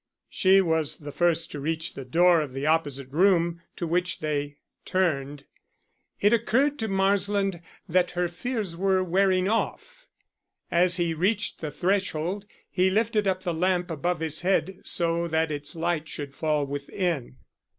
She was the first to reach the door of the opposite room to which they turned. It occurred to Marsland that her fears were wearing off. As he reached the threshold, he lifted up the lamp above his head so that its light should fall within.